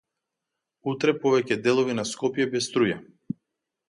Утре повеќе делови на Скопје без струја